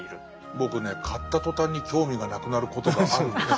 僕ね買った途端に興味がなくなることがあるんです。